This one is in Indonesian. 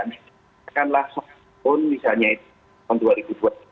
katakanlah sehari pun misalnya itu tahun dua ribu dua belas